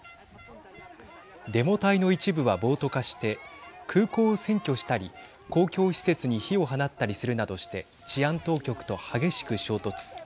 デモ隊の一部は暴徒化して空港を占拠したり公共施設に火を放ったりするなどして治安当局と激しく衝突。